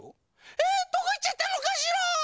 えどこいっちゃったのかしら？